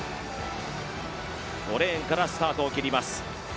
５レーンからスタートを切ります。